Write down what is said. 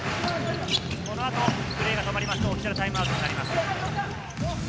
この後、プレーが止まりますと、オフィシャルタイムアウトになります。